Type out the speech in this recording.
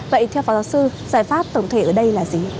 vậy theo phó giáo sư giải pháp tổng thể ở đây là gì